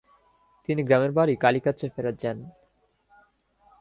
তিনি গ্রামের বাড়ি কালিকচ্ছ ফেরৎ যান।